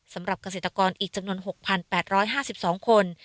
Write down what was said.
สำหรับเกษตรกรอีกจำนวน๖๘๕๒คน